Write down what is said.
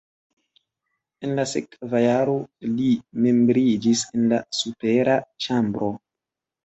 En la sekva jaro li membriĝis en la supera ĉambro.